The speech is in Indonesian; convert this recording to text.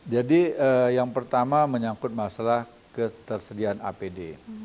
jadi yang pertama menyangkut masalah ketersediaan apd